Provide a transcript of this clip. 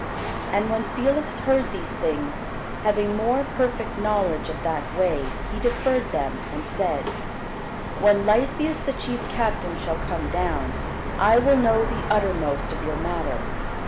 And when Felix heard these things, having more perfect knowledge of that way, he deferred them, and said, When Lysias the chief captain shall come down, I will know the uttermost of your matter.